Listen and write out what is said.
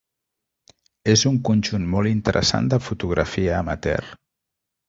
És un conjunt molt interessant de fotografia amateur.